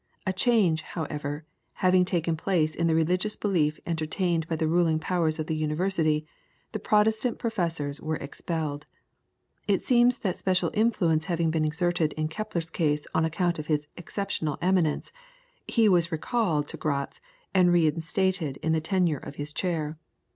A change, however, having taken place in the religious belief entertained by the ruling powers of the University, the Protestant professors were expelled. It seems that special influence having been exerted in Kepler's case on account of his exceptional eminence, he was recalled to Gratz and reinstated in the tenure of his chair.